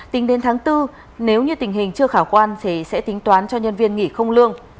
tính đến tháng bốn nếu như tình hình chưa khả quan thì sẽ tính toán cho nhân viên nghỉ không lương